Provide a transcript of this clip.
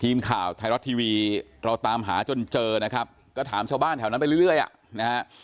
ทีมข่าวไทยรัฐทีวีเราตามหาจนเจอนะครับก็ถามชาวบ้านแถวนั้นไปเรื่อยอ่ะนะฮะ